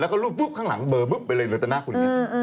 แล้วก็ลูบฟู้ฟข้างหลังบะบะไปเลยหลือเป็นหน้าคุณ